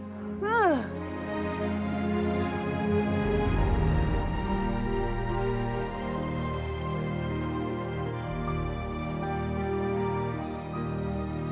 belum suara tersenyum aku menganggur apa yang akan dilakukan ashura